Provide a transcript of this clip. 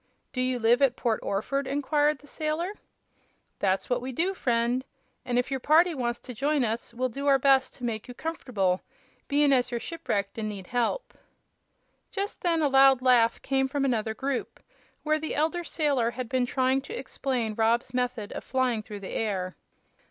"Do you live at Port Orford?" inquired the sailor. "That's what we do, friend; an' if your party wants to join us we'll do our best to make you comf'table, bein' as you're shipwrecked an' need help." Just then a loud laugh came from another group, where the elder sailor had been trying to explain Rob's method of flying through the air.